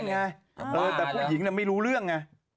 ก็นั่นไงแต่ผู้หญิงไม่รู้เรื่อง